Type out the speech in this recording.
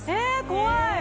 怖い